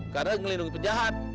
karena ngelindungi penjahat